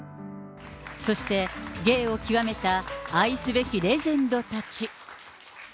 そして、芸を極めた愛すべきレジェンドたち。